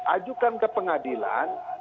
ajukan ke pengadilan